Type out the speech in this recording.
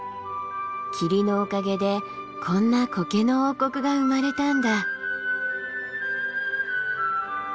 霧のおかげでこんなコケの王国が生まれたんだ。